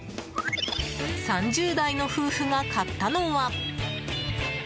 ３０代の夫婦が買ったのは。